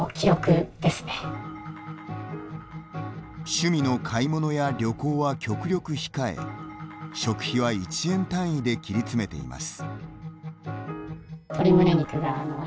趣味の買い物や旅行は極力控え食費は１円単位で切りつめています。